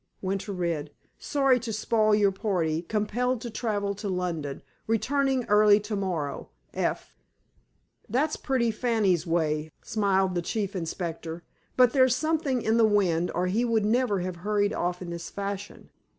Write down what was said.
Winter read: "Sorry to spoil your party. Compelled to travel to London. Returning early to morrow. F." "That's pretty Fanny's way," smiled the Chief Inspector. "But there's something in the wind, or he would never have hurried off in this fashion.